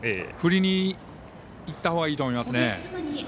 振りにいったほうがいいと思いますね。